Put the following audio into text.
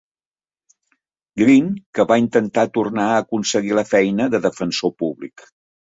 Green, que va intentar tornar a aconseguir la feina de defensor públic.